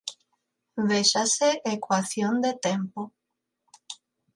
Véxase Ecuación de tempo.